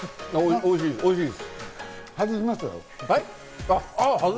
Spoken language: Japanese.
おいしいです。